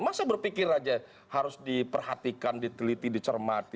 masa berpikir aja harus diperhatikan diteliti dicermati